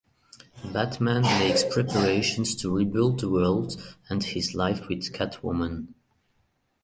Batman makes preparations to rebuild the world and his life with Catwoman.